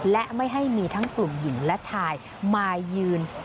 และไม่ให้มีทั้งกลุ่มหญิงและชายมายืน